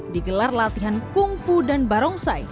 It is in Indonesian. digelar latihan kungfu dan barongsai